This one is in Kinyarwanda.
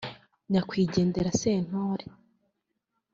nyakwigendera Sentore